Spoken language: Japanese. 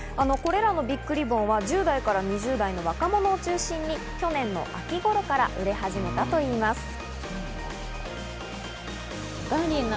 これらのビッグリボンは１０代から２０代の若者を中心に去年の秋頃から売れ始めたといいます。